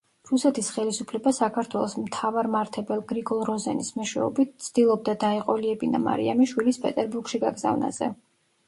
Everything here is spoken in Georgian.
რუსეთის ხელისუფლება საქართველოს მთავარმართებელ გრიგოლ როზენის მეშვეობით ცდილობდა, დაეყოლიებინა მარიამი შვილის პეტერბურგში გაგზავნაზე.